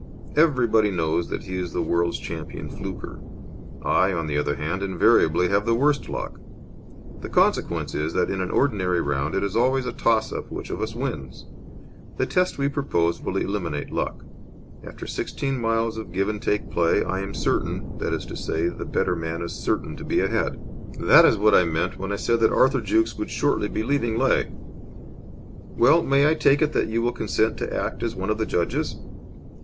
Everybody knows that he is the world's champion fluker. I, on the other hand, invariably have the worst luck. The consequence is that in an ordinary round it is always a toss up which of us wins. The test we propose will eliminate luck. After sixteen miles of give and take play, I am certain that is to say, the better man is certain to be ahead. That is what I meant when I said that Arthur Jukes would shortly be leaving Leigh. Well, may I take it that you will consent to act as one of the judges?"